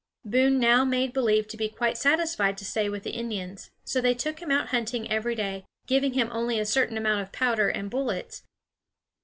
Boone now made believe to be quite satisfied to stay with the Indians; so they took him out hunting every day, giving him only a certain amount of powder and bullets.